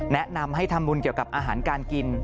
แนะนำให้ทำบุญเกี่ยวกับอาหารการกิน